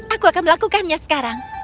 aku akan melakukannya sekarang